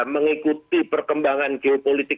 mengikuti perkembangan geopolitik